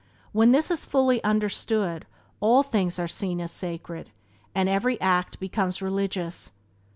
When this is fully understood all things are seen as sacred, and every act becomes religious.